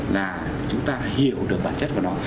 là chúng ta hiểu được bản chất của nó